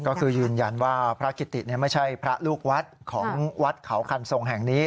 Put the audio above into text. ก็คือยืนยันว่าพระกิติไม่ใช่พระลูกวัดของวัดเขาคันทรงแห่งนี้